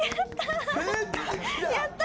やった！